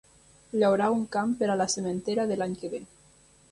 Llaurar un camp per a la sementera de l'any que ve.